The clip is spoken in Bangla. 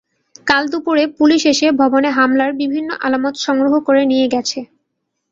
কাল দুপুরে পুলিশ এসে ভবনে হামলার বিভিন্ন আলামত সংগ্রহ করে নিয়ে গেছে।